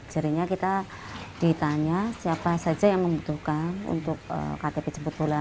jadinya kita ditanya siapa saja yang membutuhkan untuk ktp jemput bola